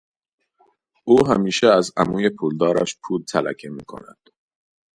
او همیشه از عموی پولدارش پول تلکه می کند.